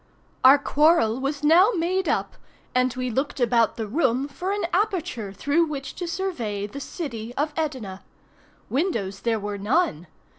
Our quarrel was now made up, and we looked about the room for an aperture through which to survey the city of Edina. Windows there were none.